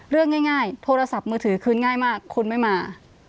เรื่องง่ายโทรศัพท์มือถือคืนง่ายมากคุณไม่มา